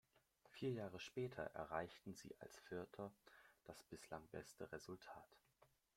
Vier Jahre später erreichten sie als Vierter das bislang beste Resultat.